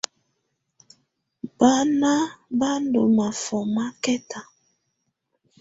Baná bá ndɔ́ mafɔma kɛta.